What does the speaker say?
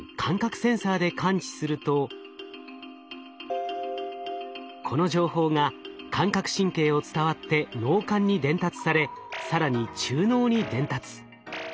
センサーで感知するとこの情報が感覚神経を伝わって脳幹に伝達され更に中脳に伝達。